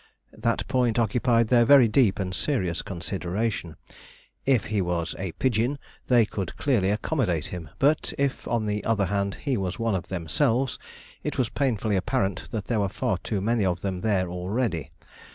That point occupied their very deep and serious consideration. If he was a 'pigeon,' they could clearly accommodate him, but if, on the other hand, he was one of themselves, it was painfully apparent that there were far too many of them there already.